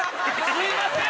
すいません！